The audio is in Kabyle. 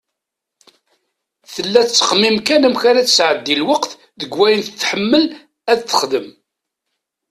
Tella tettxemmim kan amek ara tesɛeddi lweqt deg wayen tḥemmel ad texdem.